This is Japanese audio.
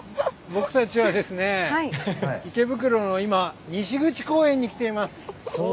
僕たちは、池袋の今、西口公園に来ています。